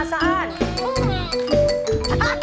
สะอาดสะอาด